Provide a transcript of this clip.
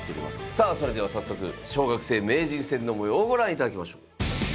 さあそれでは早速小学生名人戦の模様をご覧いただきましょう！